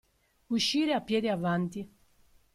Uscire a piedi avanti.